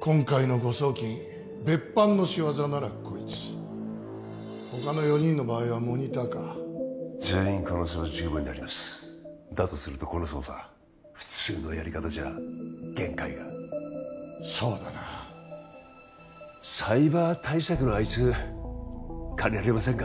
今回の誤送金別班の仕業ならこいつ他の４人の場合はモニターか全員可能性は十分にありますだとするとこの捜査普通のやり方じゃ限界がそうだなサイバー対策のあいつ借りられませんか？